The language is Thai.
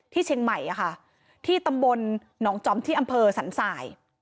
เชียงใหม่ที่ตำบลหนองจอมที่อำเภอสันสาย